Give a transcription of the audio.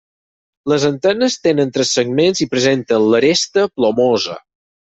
Les antenes tenen tres segments i presenten l'aresta plomosa.